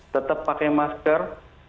tetap pakai masker